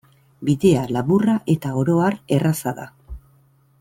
Bidea laburra eta oro har erraza da.